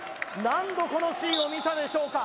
何度このシーンを見たでしょうか